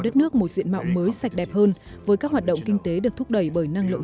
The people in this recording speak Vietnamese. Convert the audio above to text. đất nước một diện mạo mới sạch đẹp hơn với các hoạt động kinh tế được thúc đẩy bởi năng lượng